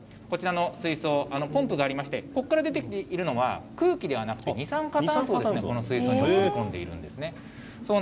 こちらの水槽、ポンプがありまして、こっから出てきているのは、空気ではなくて、二酸化炭素をこの水槽に送り込んでいるんです。